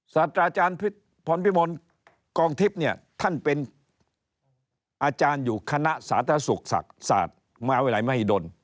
สาธาราจารย์พรพิมนศ์กองทิพย์เนี่ยท่านเป็นอาจารย์อยู่คณะสาธารณสุขศาสตรมาไว้ไหนไม่ให้โดน